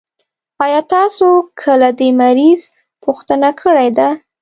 آيا تاسو کله د مريض پوښتنه کړي ده؟